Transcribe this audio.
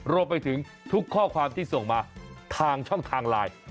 รวมไปถึงทุกข้อความที่ส่งมาทางช่องทางไลน์